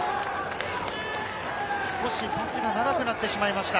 少しパスが長くなってしまいました。